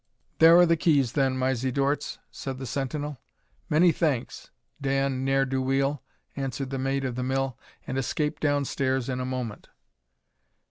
"There are the keys, then, Mysie Dorts," said the sentinel. "Many thanks, Dan Ne'er do weel," answered the Maid of the Mill, and escaped down stairs in a moment.